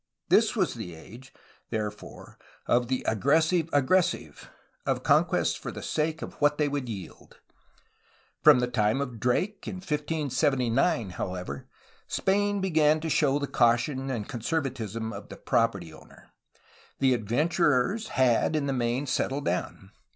This was the age, therefore, of the ''aggressive aggressive, ''— of conquests for the sake of what they would yield. From the time of Drake in 1579, however, Spain began to show the caution and conservatism of the property owner. The adventurers had in the main settled down.